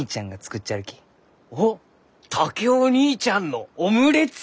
おっ竹雄義兄ちゃんのオムレツ？